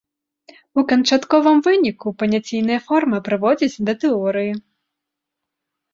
У канчатковым выніку паняційная форма прыводзіць да тэорыі.